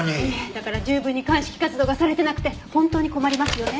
だから十分に鑑識活動がされてなくて本当に困りますよね。